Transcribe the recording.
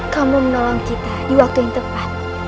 kamu menolong kita di waktu yang tepat